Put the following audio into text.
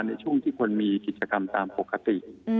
ในช่วงที่คนมีกิจกรรมตามปกติ